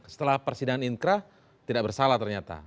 setelah persidangan inkrah tidak bersalah ternyata